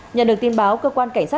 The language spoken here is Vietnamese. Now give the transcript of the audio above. nhận được tin báo cơ quan cảnh sát